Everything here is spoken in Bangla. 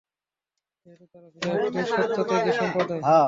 যেহেতু তারা ছিল একটি সত্যত্যাগী সম্প্রদায়।